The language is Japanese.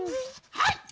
はい！